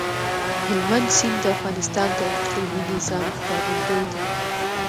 هلمند سیند د افغانستان د اقلیمي نظام ښکارندوی ده.